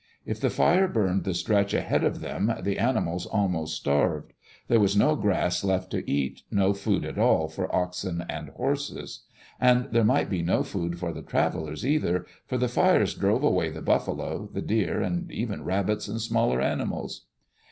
If the fire burned the stretch ahead of them, the ani mals almost starved. There was no grass left to eat, no food at all for oxen and horses. And there might be no food for the travelers either, for the fires drove away the buffalo, the deer, and even rabbits and smaller animals.